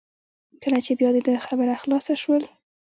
کله چې بیا د ده خبره خلاصه شول.